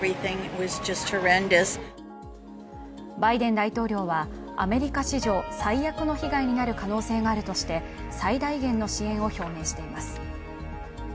バイデン大統領は、アメリカ史上最悪の被害になる可能性があるとして最大限の支援を表明しています。